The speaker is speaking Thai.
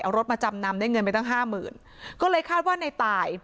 เอารถมาจำนำได้เงินไปตั้งห้าหมื่นก็เลยคาดว่าในตาย